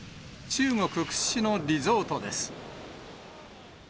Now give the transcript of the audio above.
中国屈指のリゾートです。